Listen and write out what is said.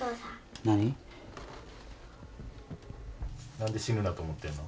何で「死ぬな」と思ってるの？